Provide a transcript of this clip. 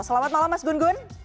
selamat malam mas gun gun